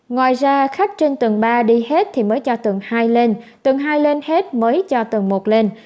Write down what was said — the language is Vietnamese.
ngoài ra khách trên tầng ba đi hết thì mới cho tầng hai lên tầng hai lên hết mới cho tầng một lên